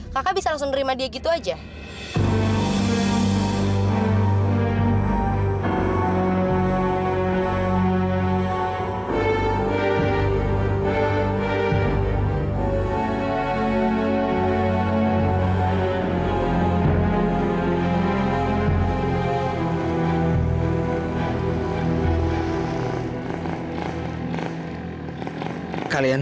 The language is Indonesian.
kakak bisa langsung nerima dia gitu aja